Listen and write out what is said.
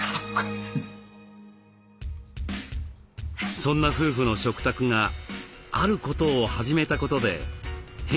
そんな夫婦の食卓があることを始めたことで変化することに。